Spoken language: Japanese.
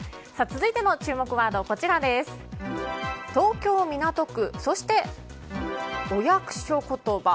続いての注目ワードは東京・港区そして、お役所言葉。